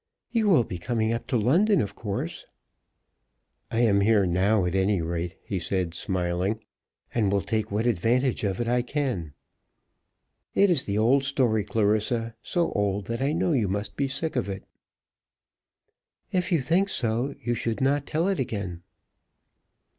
"You will be coming up to London, of course." "I am here now at any rate," he said smiling, "and will take what advantage of it I can. It is the old story, Clarissa; so old that I know you must be sick of it." "If you think so, you should not tell it again."